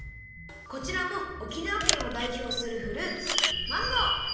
こちらも沖縄県をだいひょうするフルーツマンゴー！